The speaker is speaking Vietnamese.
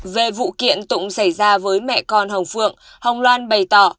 về vụ kiện tụng xảy ra với mẹ con hồng phượng hồng loan bày tỏ